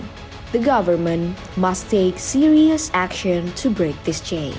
pemerintah harus mengambil tindakan serius untuk membatasi perhubungan ini